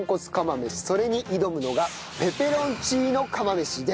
それに挑むのがペペロンチーノ釜飯です。